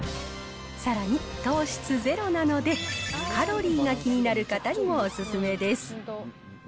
さらに糖質ゼロなので、カロリーが気になる方にもおすすめです。